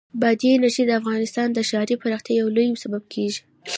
بادي انرژي د افغانستان د ښاري پراختیا یو لوی سبب کېږي.